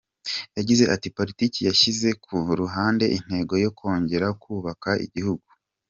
Yagize ati "Politiki yashyize ku ruhande intego yo kongera kubaka igihugu.